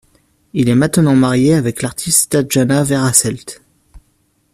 Il est maintenant marié avec l'artiste Tatjana Verhasselt.